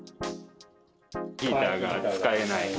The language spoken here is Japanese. ヒーターが使えない。